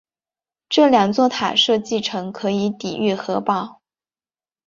这两座塔设计成可以抵御核爆。